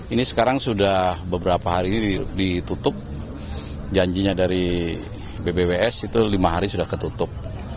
ini sekarang sudah beberapa hari ditutup janjinya dari bbws itu lima hari sudah ketutup